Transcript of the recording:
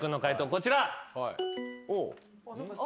こちら。